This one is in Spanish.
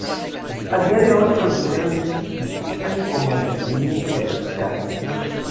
A día de hoy considera estos principios como entretenimiento y aprendizaje.